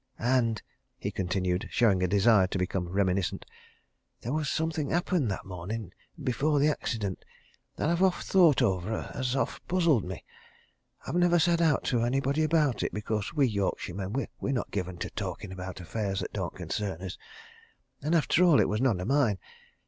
And," he continued, showing a desire to become reminiscent, "there was something happened that morning, before the accident, that I've oft thought over and has oft puzzled me. I've never said aught to anybody about it, because we Yorkshiremen we're not given to talking about affairs that don't concern us, and after all, it was none o' mine!